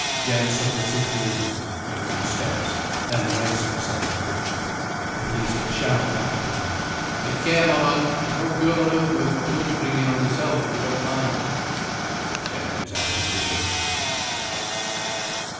Jem submitted gloomily, for a few steps, then wrenched himself free. The policeman shouted after him, "Take care, my man! there's no girl on earth worth what you'll be bringing on yourself if you don't mind." But Jem was out of hearing.